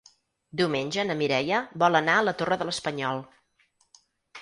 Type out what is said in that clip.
Diumenge na Mireia vol anar a la Torre de l'Espanyol.